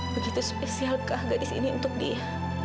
begitu spesialkah gadis ini untuk dia